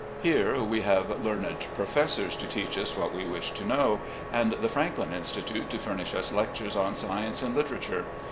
Here we have learned professors to teach us what we wish to know, and the Franklin Institute to furnish us lectures on science and literature.